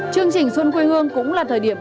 chương trình xuân quê hương cũng là thời điểm